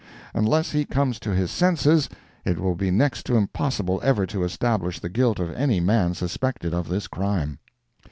Unless he comes to his senses, it will be next to impossible ever to establish the guilt of any man suspected of this crime.